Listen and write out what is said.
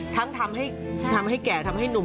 ทั้งทำให้แก่ทำให้หนุ่ม